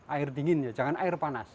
air dingin ya jangan air panas